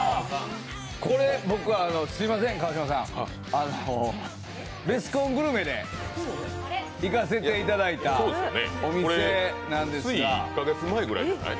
これ、すみません、川島さん「ベスコングルメ」で行かせていただいたお店なんですがつい１か月前ぐらいじゃない？